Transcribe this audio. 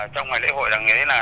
trong ngày lễ hội đằng dưới là